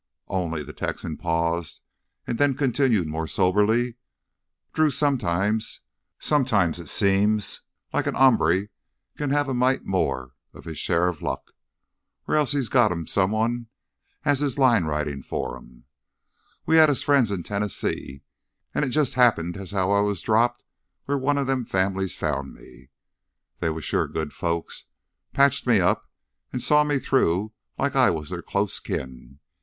"Only," the Texan paused and then continued more soberly, "Drew, sometimes—sometimes it seems like a hombre can have a mite more'n his share of luck; or else he's got him Someone as is line ridin' for him. We had us friends in Tennessee, an' it jus' happened as how I was dropped where one of them families found me. They sure was good folks; patched me up an' saw me through like I was their close kin.